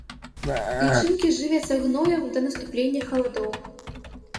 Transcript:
Лічынкі жывяцца гноем да наступлення халадоў.